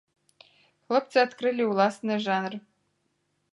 Хлопцы адкрылі ўласны жанр.